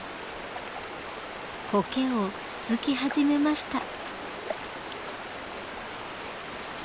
コケをつつき始めました。